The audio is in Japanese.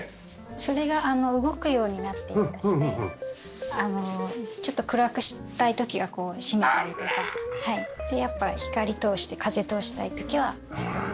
それが動くようになっていましてちょっと暗くしたい時はこう閉めたりとかで光通して風通したい時はちょっと動かして。